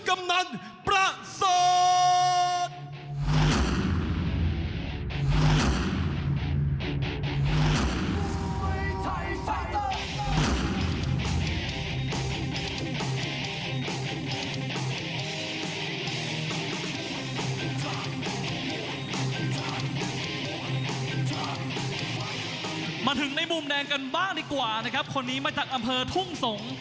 มาถึงในมุมแดงกันบ้างดีกว่านะครับคนนี้มาจากอำเภอทุ่งสงศ์